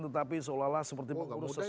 tetapi seolah olah seperti mengurus sesuatu